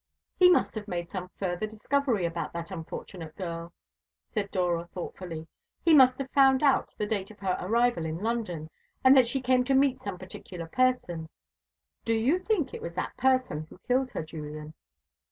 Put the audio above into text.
"He must have made some further discovery about that unfortunate girl," said Dora thoughtfully. "He must have found out the date of her arrival in London, and that she came to meet some particular person. Do you think it was that person who killed her, Julian?"